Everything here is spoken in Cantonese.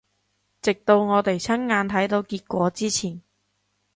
直到我哋親眼睇到結果之前